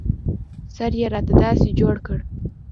سر يې راته داسې جوړ کړ.